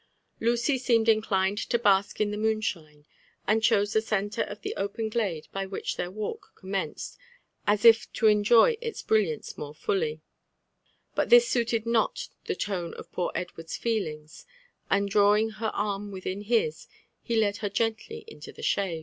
Lucy seemed inclined to bask in the moonshine, and chose the centre of the open glade by which their walk commenced, as if to enjoy its brilliance more fully ; but this suited not the tone of poor Edward's feelings, and drawing her arm within his, he led her gently Into the shade.